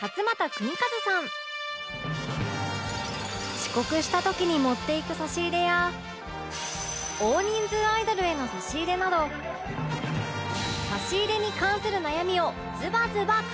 遅刻した時に持っていく差し入れや大人数アイドルへの差し入れなど差し入れに関する悩みをズバズバ解決！